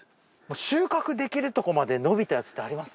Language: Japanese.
収穫できるとこまで伸びたやつってあります？